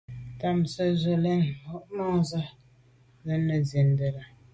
Tɑ́mə̀ zə ù lɛ̌nə́ yù môndzə̀ ú rə̌ nə̀ zí’də́.